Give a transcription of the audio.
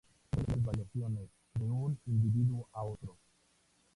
Estas medidas tienen grandes variaciones de un individuo a otro.